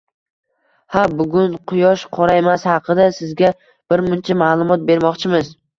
Ha, bugun Quyosh qoraymas haqida sizga birmuncha ma`lumot bermoqchimiz